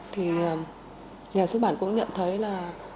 thì nhà xuất bản cũng nhận thấy là